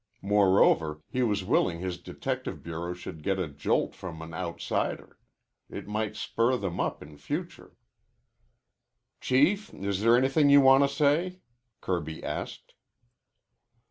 Moreover, he was willing his detective bureau should get a jolt from an outsider. It might spur them up in future. "Chief, is there anything you want to say?" Kirby asked.